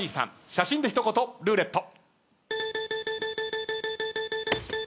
写真で一言ルーレット。